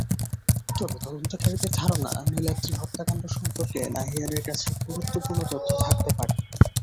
তবে তদন্তকারীদের ধারণা, নীলাদ্রি হত্যাকাণ্ড সম্পর্কে নাহিয়ানের কাছে গুরুত্বপূর্ণ তথ্য থাকতে পারে।